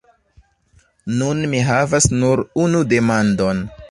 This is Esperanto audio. Nun mi havas nur unu demandon.